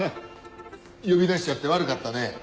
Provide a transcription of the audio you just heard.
呼び出しちゃって悪かったね。